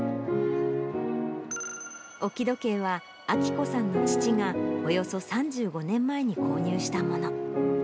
置時計は章子さんの父が、およそ３５年前に購入したもの。